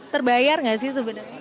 terbayar gak sih sebenarnya